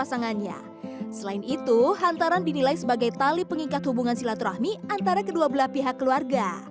selain itu hantaran dinilai sebagai tali pengingkat hubungan silaturahmi antara kedua belah pihak keluarga